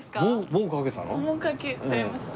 もう描けちゃいました。